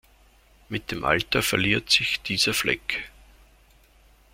Mit dem Alter verliert sich dieser Fleck.